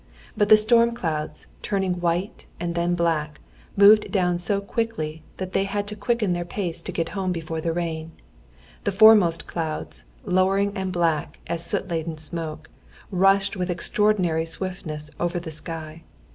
But the storm clouds, turning white and then black, moved down so quickly that they had to quicken their pace to get home before the rain. The foremost clouds, lowering and black as soot laden smoke, rushed with extraordinary swiftness over the sky.